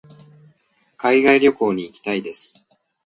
海外旅行に行きたいです。